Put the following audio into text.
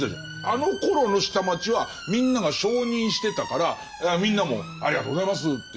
あのころの下町はみんなが承認してたからみんなも「ありがとうございます」っていう。